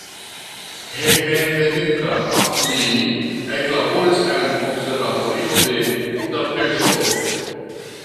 Hejmenveninta li eklaboris en observatorio de Budapeŝto.